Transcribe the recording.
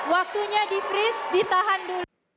waktunya di freeze ditahan dulu